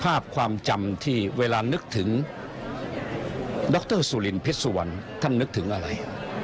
ภาพความจำที่เวลานึกถึงดรสุรินพิษสุวรรณท่านนึกถึงอะไร